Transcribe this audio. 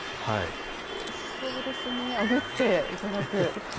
おいしそうですね、あぶって頂く。